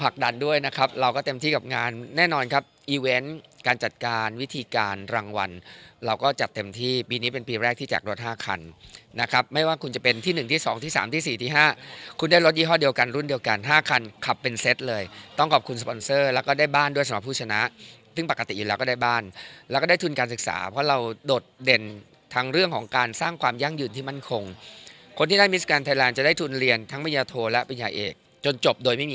ก็เต็มที่กับงานแน่นอนครับการจัดการวิธีการรางวัลเราก็จัดเต็มที่ปีนี้เป็นปีแรกที่จัดรถห้าคันนะครับไม่ว่าคุณจะเป็นที่หนึ่งที่สองที่สามที่สี่ที่ห้าคุณได้รถยี่ห้อเดียวกันรุ่นเดียวกันห้าคันขับเป็นเซตเลยต้องขอบคุณสปอนเซอร์แล้วก็ได้บ้านด้วยสมาธิผู้ชนะซึ่งปกติอยู่แล้วก็ได้บ้านแล้วก็